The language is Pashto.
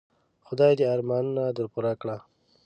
خدای دي ارمانونه در پوره کړه .